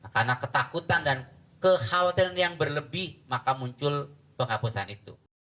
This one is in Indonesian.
karena ketakutan dan kekhawatiran yang berlebih maka muncul penghapusan itu